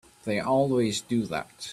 They always do that.